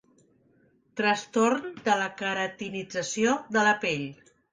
Trastorn de la queratinització de la pell.